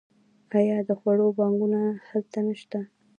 آیا د خوړو بانکونه هلته نشته؟